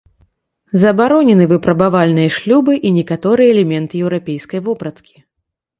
Забаронены выпрабавальныя шлюбы і некаторыя элементы еўрапейскай вопраткі.